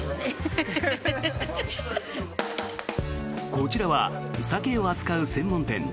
こちらはサケを扱う専門店。